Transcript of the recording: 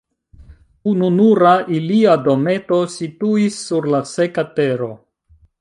Ununura ilia dometo situis sur la seka tero.